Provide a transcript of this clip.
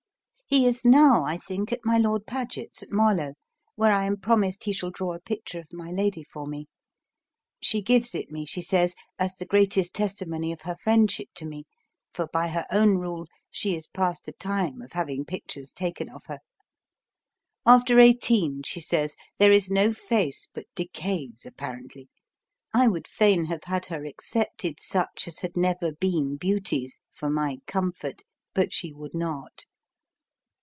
He is now, I think, at my Lord Pagett's at Marloe [Marlow], where I am promised he shall draw a picture of my Lady for me, she gives it me, she says, as the greatest testimony of her friendship to me, for by her own rule she is past the time of having pictures taken of her. After eighteen, she says, there is no face but decays apparently; I would fain have had her excepted such as had never been beauties, for my comfort, but she would not.